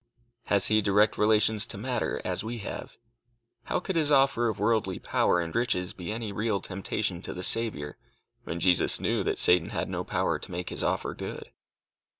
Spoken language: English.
Has he direct relations to matter, as we have? How could his offer of worldly power and riches be any real temptation to the Saviour, when Jesus knew that Satan had no power to make his offer good?